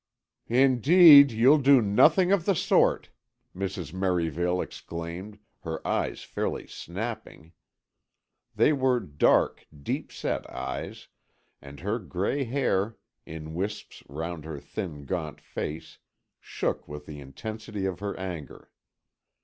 "Indeed, you'll do nothing of the sort!", Mrs. Merivale exclaimed, her eyes fairly snapping. They were dark, deep set eyes, and her gray hair, in wisps round her thin gaunt face, shook with the intensity of her anger.